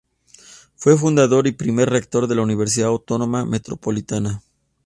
Fue fundador y primer rector de la Universidad Autónoma Metropolitana.